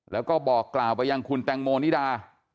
แล้วก็บอกกล่าวไปยังคุณแตงโมนิดา